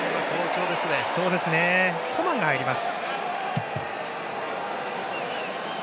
コマンが入ります。